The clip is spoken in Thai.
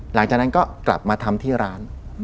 หลังจากนั้นก็กลับมาทำที่ร้าน